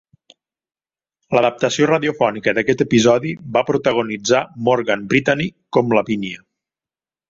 L'adaptació radiofònica d'aquest episodi va protagonitzar Morgan Brittany com Lavinia.